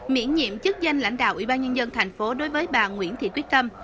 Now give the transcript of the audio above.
miễn nhiệm chức danh lãnh đạo ubnd tp đối với bà nguyễn thị quyết tâm